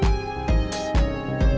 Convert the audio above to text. jalan atau pake motor